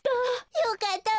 よかったわべ。